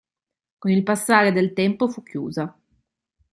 Con il passare del tempo fu chiusa.